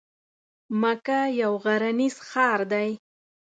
مکه یو غرنیز ښار دی.